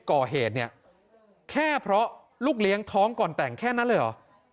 ก่อเหตุเนี่ยแค่เพราะลูกเลี้ยงท้องก่อนแต่งแค่นั้นเลยเหรอ